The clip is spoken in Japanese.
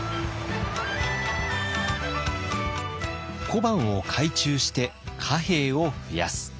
小判を改鋳して貨幣を増やす。